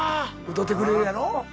歌ってくれるやろ？